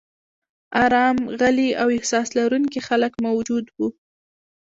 ارام، غلي او احساس لرونکي خلک موجود و.